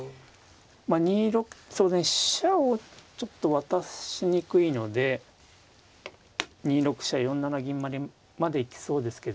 まあ２六そうですね飛車をちょっと渡しにくいので２六飛車４七銀まで行きそうですけど。